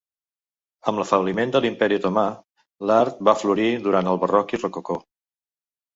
Amb l'afebliment de l'Imperi Otomà, l'art va florir durant el barroc i rococó.